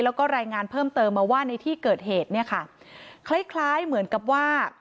แล้วก็รายงานเพิ่มเติมมาว่าในที่เกิดเหตุคล้ายเหมือนกับว่า